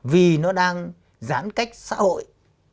vì nó đang giãn cách xã hội